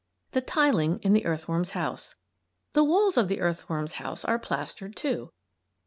THE TILING IN THE EARTHWORM'S HOUSE The walls of the earthworm's house are plastered, too.